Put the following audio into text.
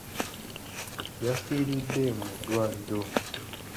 Yafiiridde mu ddwaliro.